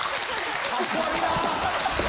かっこ悪いな。